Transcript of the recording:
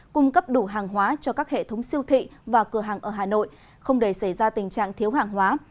cung cấp đủ hàng hóa cho các hệ thống siêu thị và cửa hàng ở hà nội không để xảy ra tình trạng thiếu hàng hóa